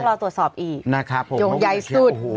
ต้องรอตรวจสอบอีกโยงใหญ่สุด